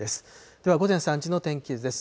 では、午前３時の天気図です。